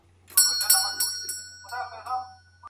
هغه د تودوخې په وړاندې مقاومت نسي کولای.